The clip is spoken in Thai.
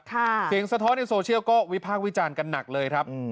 เสียงสะท้อนในโซเชียลก็วิพากษ์วิจารณ์กันหนักเลยครับ